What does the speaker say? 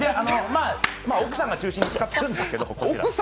奥さんが中心に使っているんですけれども。